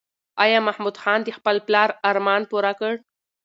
ایا محمود خان د خپل پلار ارمان پوره کړ؟